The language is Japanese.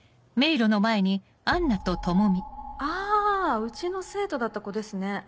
あうちの生徒だった子ですね。